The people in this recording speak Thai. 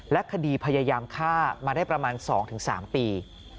คดีพยายามฆ่ามาได้ประมาณ๒๓ปี